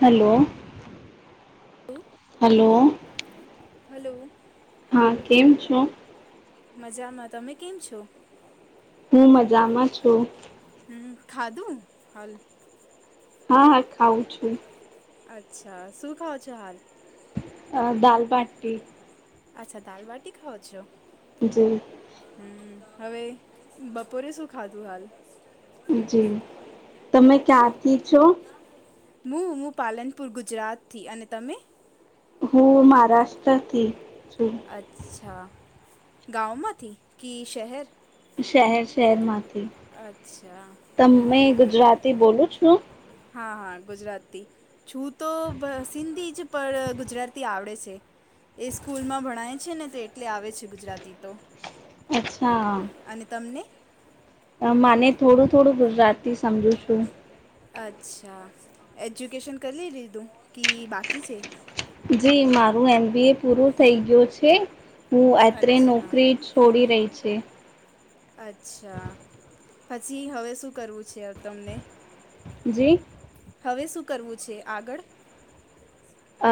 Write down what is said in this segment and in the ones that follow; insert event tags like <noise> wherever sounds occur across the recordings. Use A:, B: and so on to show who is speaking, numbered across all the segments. A: Hello hello.
B: Hello...
A: હા, કેમ છો?
B: મઝામાં. તમે કેમ છો?
A: હું મઝામાં છું.
B: હમ, ખાધું હાલ?
A: હા હા, ખાવ છું.
B: અચ્છા, શું ખાાવ છો હાલ?
A: અ દાલબાટી.
B: અચ્છા, દાલબાટી ખાવો છો?
A: જી.
B: હમ, હવે બપોરે શું ખાધું હાલ? હે?
A: ઠીક છો?
B: મુ, મુ પાલનપુર ગુજરાતથી અને તમે?
A: હું મહારાષ્ટ્રથી છું.
B: અચ્છા, ગાવમાંથી કી શહેર?
A: શહેર શહેરમાંથી.
B: અચ્છા..
A: તમે ગુજરાતી બોલો છો?
B: હા હા, ગુજરાતી. છું તો સિંધી જ, પણ ગુજરાતી આવડે છે. એ સ્કૂલમાં ભણાય છે ને તે એટલે આવે છે ગુજરાતી તો.
A: અચ્છા..
B: અને તમને?
A: મને થોડું થોડું ગુજરાતી સમજુ
B: દામ
A: છું
B: શમીરી <inaudible> અચ્છા, એજ્યુકેશન કરી લીધું કી બાકી છે?
A: જી મારું એમ બી એ પૂરું થઈ ગયું છે. હું અત્રે
B: અચ્છા
A: નોકરી જ ખોડી રહી છે.
B: અચ્છા, પછી હવે શું કરવું છે તમને?
A: જી?
B: હવે શું કરવું છે આગળ?
A: અ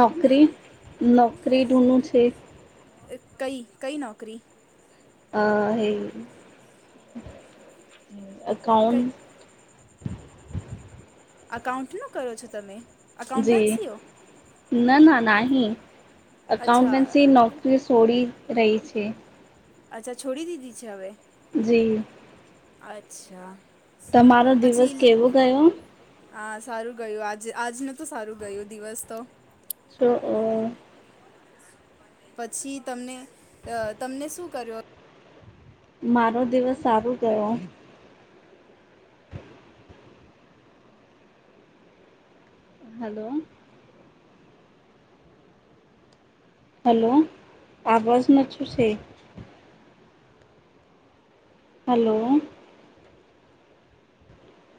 A: નોકરી. નોકરી ઢુંઢું છે.
B: એ કઈ કઈ નોકરી એ <inaudible>
A: અ હે
B: કઈ
A: અકાઉન્ટ
B: એકાઉન્ટ નુ કરો છો તમે
A: જી
B: અકાઉન્ટન્સીઓ
A: ના ના નાહી
B: અચ્છા
A: અકાઉન્ટન્સી નોક રી સોડી રહી છે
B: અચ્છા છોડી દીધી છે હવે
A: જી
B: અચ્છા
A: તમારો દિવસ
B: પછી
A: કેવો ગયો
B: હા સારું ગયું આજ આજ ન તો સારું ગયું દિવસ તો
A: સો અ
B: <unintelligible> પછી તમને અ તમને શુ કરો
A: મારો દિવસ સારો ગયો હલો હલો <unintelligible> શુ સે હલો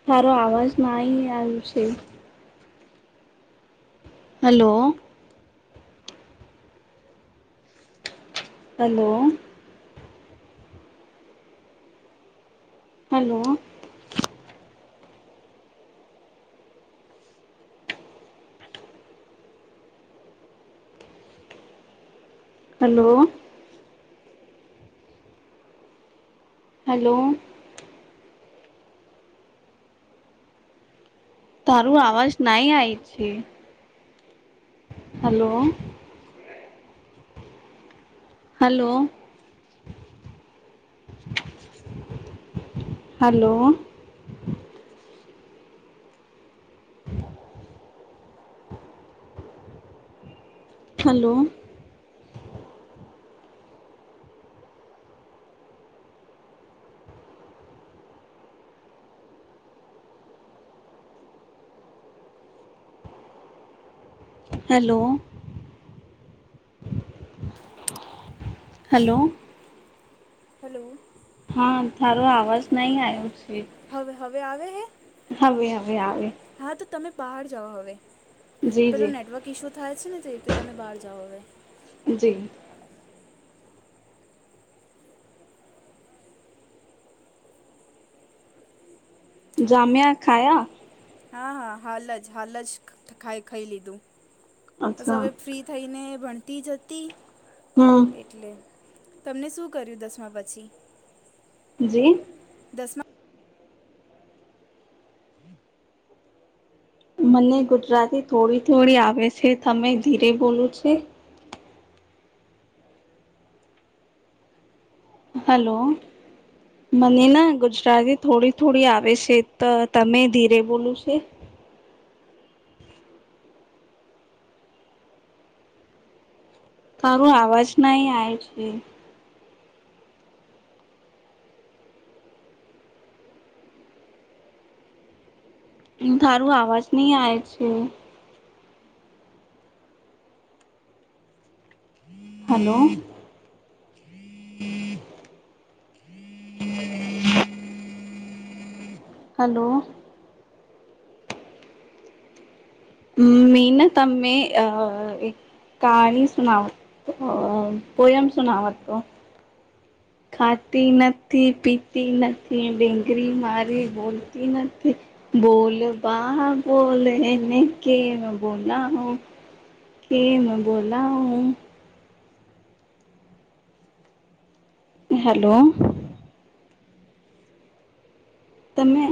A: તારો અવાજ ના આવ્યું છે hello hello hello hello hello. તારું અવાજ નાઈ આય છે hello hello hello. Hello. Hello
B: <inaudible>
A: hello.
B: Hello.
A: હા તારો આવાજ નહી આવ્યો છે.
B: હવે હવે આવે હે
A: હવે હવે આવે
B: હા તો તમે બહાર જાઓ હવે
A: જી
B: પેલો
A: જી
B: નેટવર્ક ઇસ્યુ થાય છે ને તેટલે તમે બહાર જાઓ હવે
A: જી જામ્યા ખાયા
B: હા હા હાલ જ હાલ જ ખાઈ ખાઈ લીધું બસ
A: અચ્છા
B: હવે ફ્રી થઈને ભણતી જ હતી
A: હમ્મ
B: એટલે તમને શું કર્યું દસમા પછી
A: જી
B: દસમા
A: મને ગુજરાતી થોડી થોડી આવે છે તમે ધીરે બોલું છે હલો. મને ના ગુજરાતી થોડી-થોડી આવે છે, તો તમે ધીરે બોલું છે. તારો અવાજ નહી આવે છે. તારું અવાજ નહી આવે છે. હલો. હલો. હ, મીન તમે આ કહાની સુનાવ તો પોયેમ સુણવત. ખાતી નથી, પીતી નથી, ઢીંગલી મારી બોલતી નથી. બોલ, બોલ એને કેમ બોલાવુ. કેમ બોલાવુ. હલો. તમે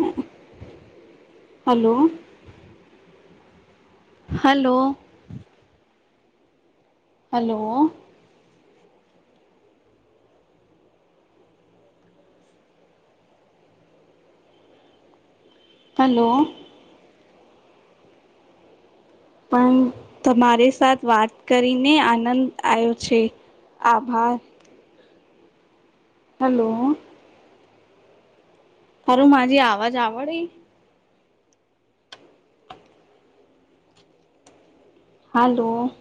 A: હલો. હલો. હલો. હલો. પણ તમારી સાથે વાત કરીને, આનંદ આવ્યો છે. આભાર. હલો. હાલો, માજી આવાજ આવડે. હલો.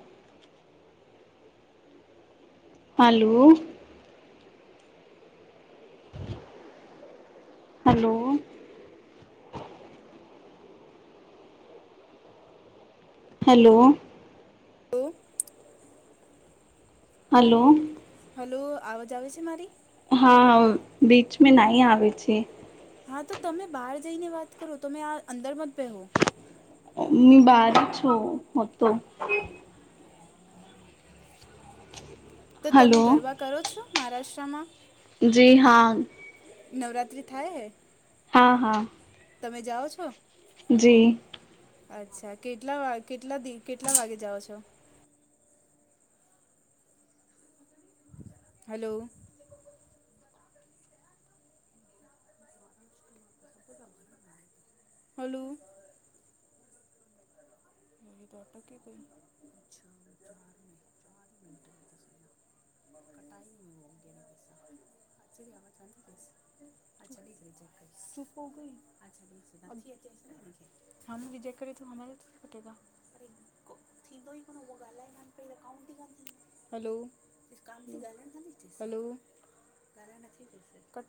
A: હાલો. હાલો. હેલો.
B: <unintelligible>
A: હાલો.
B: હલો, આવાજ આવેશે મારી?
A: હા, બીચ મે નાહી આવેે છે.
B: હા, તો તમે બહાર જઈને વાત કરો, તમે આ અંદરમત બેહો.
A: મી બાર છુ હું તો.
B: <unintelligible> તમે
A: હલો
B: ગરવા કરો છો, મારાષ્ટ્રામાં?
A: જી હા
B: નવરાત્રી થાય હે.
A: હા, હં.
B: તમે જાઓ છો.
A: જી.
B: અચ્છા, કેટલા વા કેટલા દિવસ કેટલા વાગે જાઓ છો? હાલો. હલુ. <unintelligible> <unintelligible> સ્કિપ હોગઇ વિજય કરે તો હમારે તો. <unintelligible> હલો. <unintelligible> Hello, cut <unintelligible>